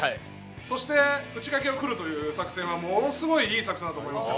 そして内掛けをくるという作戦はものすごいいい作戦だと思いましたね。